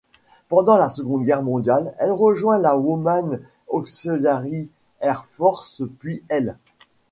Pendant la Seconde Guerre mondiale, elle rejoint la Women's Auxiliary Air Force puis l'.